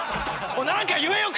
何か言えよ！